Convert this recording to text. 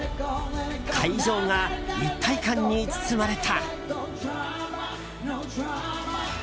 会場が一体感に包まれた。